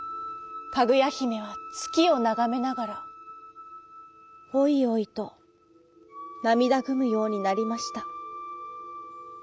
かぐやひめはつきをながめながらおいおいとなみだぐむようになりました。